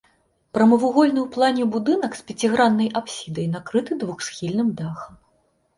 Прамавугольны ў плане будынак з пяціграннай апсідай накрыты двухсхільным дахам.